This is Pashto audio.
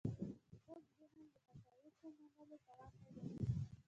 کوږ ذهن د حقایقو منلو توان نه لري